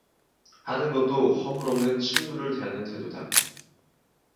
하는 것도 허물없는 친구를 대하는 태도다.